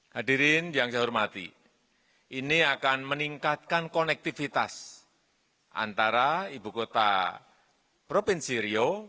hadirin yang saya hormati ini akan meningkatkan konektivitas antara ibu kota provinsi riau